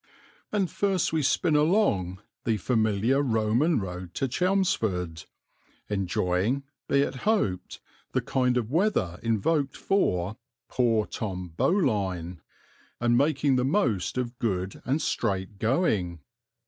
And first we spin along the familiar Roman road to Chelmsford, enjoying, be it hoped, the kind of weather invoked for "poor Tom Bowline," and making the most of good and straight going.